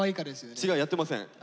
違うやってません。